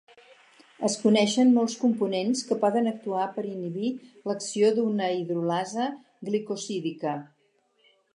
Es coneixen molts components que poden actuar per inhibir l'acció d'una hidrolasa glicosídica.